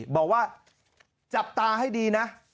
บอกว่าจับตาให้ดีนะ